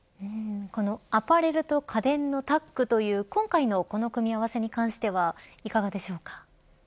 このアパレルと家電のタッグという今回のこの組み合わせに関してはいかがでしょうか。